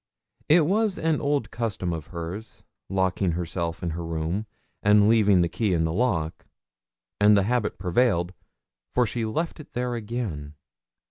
It was an old custom of hers, locking herself in her room, and leaving the key in the lock; and the habit prevailed, for she left it there again.